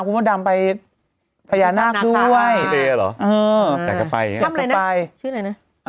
คำอะไรเนี่ยชื่ออะไรเนี่ย